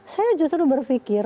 saya justru berfikir